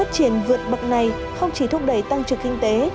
điều vượt bậc này không chỉ thúc đẩy tăng trưởng kinh tế